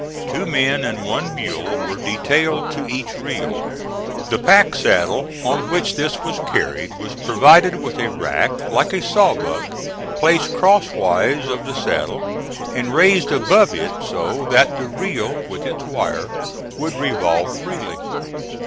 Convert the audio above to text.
Two men and one mule were detailed to each reel. The pack saddle on which this was carried was provided with a rack like a sawbuck placed crosswise of the saddle, and raised above it so that the reel, with its wire, would revolve freely.